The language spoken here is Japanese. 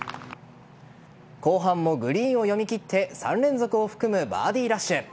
後半もグリーンを読み切って３連続を含むバーディーラッシュ。